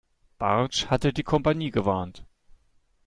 Bartsch hatte die Kompanie gewarnt.